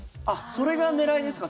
それが狙いですか？